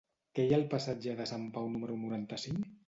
Què hi ha al passatge de Sant Pau número noranta-cinc?